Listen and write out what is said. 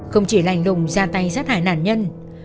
không chỉ lành lùng ra tay sát hại nạn nhân